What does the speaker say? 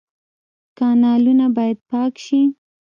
کانالونه باید پاک شي